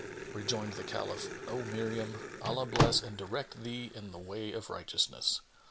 Rejoined the Caliph, "O Miriam, Allah bless and direct thee in the way of righteousness!